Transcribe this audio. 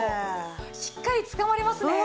しっかりつかまりますね。